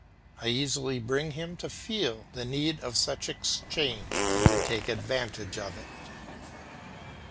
I easily bring him to feel the need of such exchange and to take advantage of it.